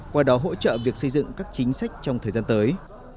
qua đó hỗ trợ việc xây dựng các chính sách trong thời gian tới